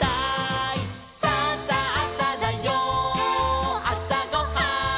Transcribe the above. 「さあさあさだよあさごはん」